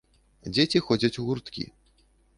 Дзеці ходзяць у гурткі.